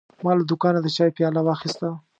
ما له دوکانه د چای پیاله واخیسته.